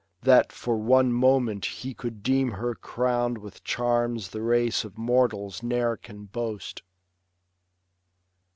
That for one moment he could deem her crown'd With charms the race of mortals ne'er can boast.